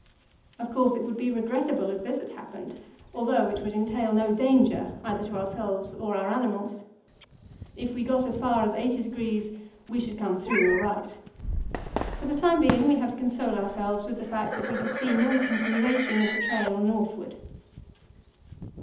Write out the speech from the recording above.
Of course it would be regrettable if this had happened, although it would entail no danger either to ourselves or our animals. If we got as far as 80°, we should come through all right. For the time being, we had to console ourselves with the fact that we could see no continuation of the trail northward.